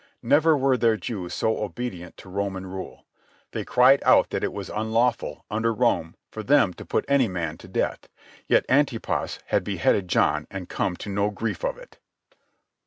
Never were there Jews so obedient to Roman rule. They cried out that it was unlawful, under Rome, for them to put any man to death. Yet Antipas had beheaded John and come to no grief of it.